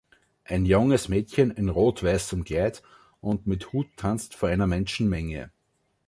Ein junges Mädchen in rot-weißem Kleid und mit Hut tanzt vor einer Menschenmenge.